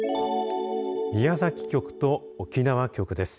宮崎局と沖縄局です。